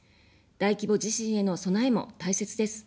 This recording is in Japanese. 大規模地震への備えも大切です。